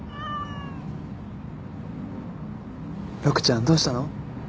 陸ちゃんどうしたの？